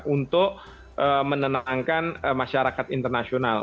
untuk menenangkan masyarakat internasional